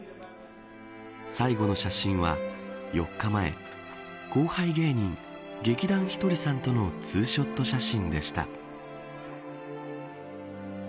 最後の写真は４日前、後輩芸人劇団ひとりさんとのツーショット写真でした。